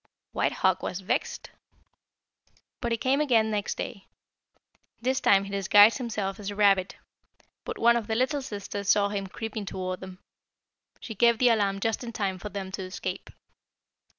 "White Hawk was vexed, but he came again next day. This time he disguised himself as a rabbit, but one of the little sisters saw him creeping toward them. She gave the alarm just in time for them to escape.